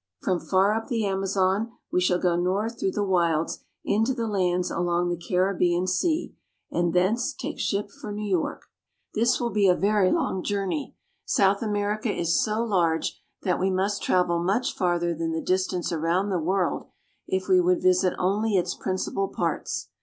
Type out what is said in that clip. From far up the Amazon we shall go north through the wilds into the lands along the Caribbean Sea, and thence take ship for New York. 9 lO ATLANTIC OCEAN. This will be a very long journey. South America is so large that we must travel much farther than the distance around the world if we would visit only its principal parts.